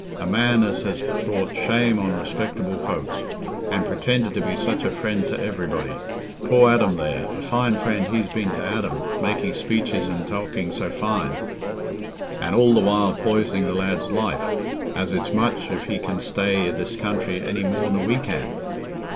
a man as has brought shame on respectable folks... an' pretended to be such a friend t' everybody.... Poor Adam there... a fine friend he's been t' Adam, making speeches an' talking so fine, an' all the while poisoning the lad's life, as it's much if he can stay i' this country any more nor we can."